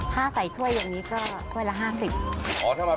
ถ้าใส่ถ้วยอย่างนี้ก็ถ้วยละ๕๐บาท